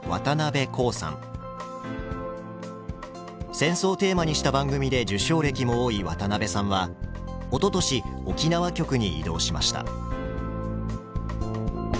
戦争をテーマにした番組で受賞歴も多い渡辺さんはおととし沖縄局に異動しました。